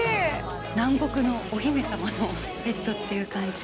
南国のお姫様のベッドっていう感じ。